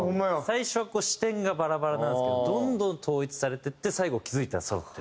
最初はこう視点がバラバラなんですけどどんどん統一されていって最後気付いたらそろってるみたいな。